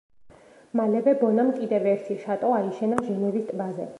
მალევე ბონამ კიდევ ერთი შატო აიშენა ჟენევის ტბაზე.